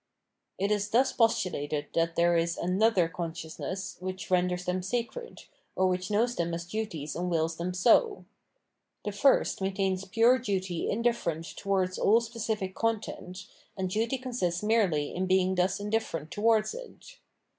It is thus postulated that there is aruiker conscious ness which renders them sacred, or which knows them as duties and wills them so. The first maintains pure duty indifierent towards aU specific content, and duty 618 Phenomenology of Mind consists merely in being thus indiiterent towards it.